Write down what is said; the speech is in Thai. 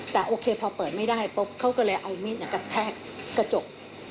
แต่โอเคพอเปิดไม่ได้ปุ๊บเขาก็เลยเอามีดกระแทกกระจก